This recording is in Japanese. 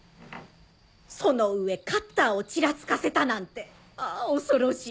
その上カッターをちらつかせたなんてあぁ恐ろしい。